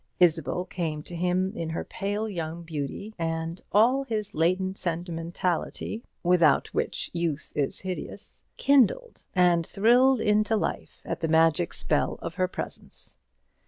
Isabel came to him in her pale young beauty, and all the latent sentimentality without which youth is hideous kindled and thrilled into life at the magic spell of her presence.